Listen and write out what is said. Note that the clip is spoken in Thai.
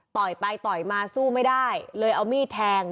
ต่อยไปต่อยมาสู้ไม่ได้เลยเอามีดแทง